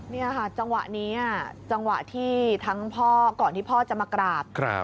นี่ค่ะจังหวะนี้จังหวะที่ทั้งพ่อก่อนที่พ่อจะมากราบ